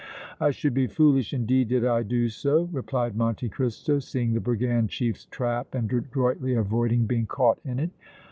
"I should be foolish, indeed, did I do so," replied Monte Cristo, seeing the brigand chief's trap and adroitly avoiding being caught in it.